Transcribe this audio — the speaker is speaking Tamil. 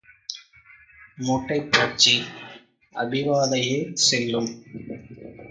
மூட்டைப் பூச்சி அபிவாதயே சொல்லும்.